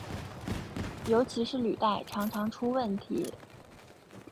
尤其是履带常常出问题。